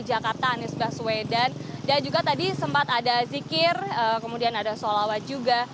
dan juga gubernur rki jakarta anies baswedan dan juga tadi sempat ada zikir kemudian ada sholawat juga